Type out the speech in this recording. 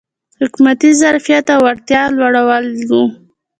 حکومتي ظرفیت او وړتیا لوړول و.